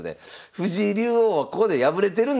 藤井竜王はここで敗れてるんですよねそうなんです。